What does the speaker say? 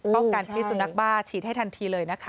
ป้องกันที่สุนัขบ้าฉีดให้ทันทีเลยนะคะ